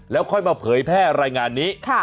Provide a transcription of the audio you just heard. แล้วค่อยมาเผยแพร่รายงานนี้